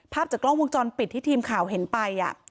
ภาพจากกล้องวงจรปิดที่ทีมข่าวเห็นไป